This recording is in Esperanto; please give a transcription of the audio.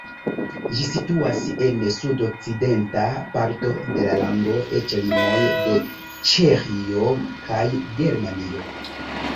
Ĝi situas en sudokcidenta parto de la lando ĉe limoj de Ĉeĥio kaj Germanio.